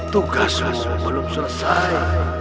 tugasmu belum selesai